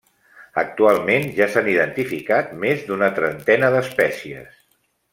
Actualment ja s'han identificat més d'una trentena d'espècies.